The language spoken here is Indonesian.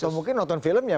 atau mungkin nonton film ya